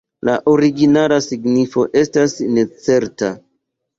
La origina signifo estas necerta.